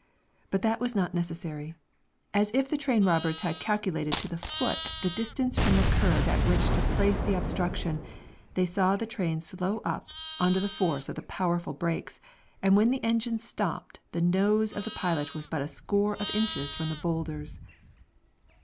But that was not necessary. As if the train robbers had calculated to the foot the distance from the curve at which to place the obstruction, they saw the train slow up, under the force of the powerful brakes, and when the engine stopped the nose of the pilot was but a score of inches from the boulders.